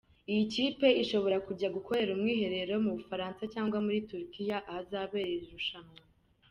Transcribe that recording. Iyi kipe ishobora kujya gukorera umwiherero mu Bufaransa cyangwa muri Turukiya ahazabera iri rushanwa.